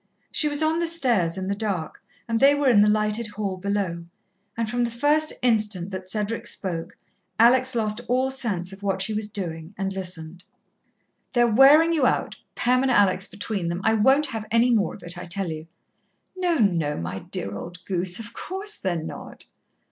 She was on the stairs in the dark, and they were in the lighted hall below, and from the first instant that Cedric spoke, Alex lost all sense of what she was doing, and listened. "...they're wearing you out, Pam and Alex between them. I won't have any more of it, I tell you." "No, no, my dear old goose. Of course they're not."